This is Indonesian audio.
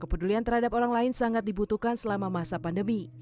kepedulian terhadap orang lain sangat dibutuhkan selama masa pandemi